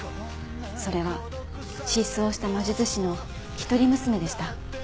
それは失踪した魔術師の一人娘でした。